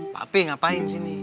papi ngapain disini